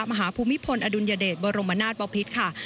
ภูมิพลอดุลยเดชบรมนาศบพิษค่ะ